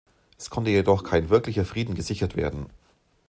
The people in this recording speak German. Es konnte jedoch kein wirklicher Frieden gesichert werden.